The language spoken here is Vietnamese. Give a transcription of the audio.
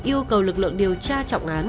yêu cầu lực lượng điều tra trọng án